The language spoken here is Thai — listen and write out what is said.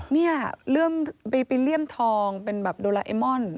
เนี่ยเรื่องไปเลี่ยมทองเป็นแบบโดราเอมอน